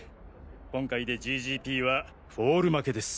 今回でＧＧＰはフォール負けです。